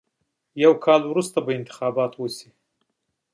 یو کال وروسته انتخابات به وشي.